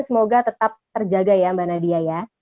semoga tetap terjaga ya mbak nadia ya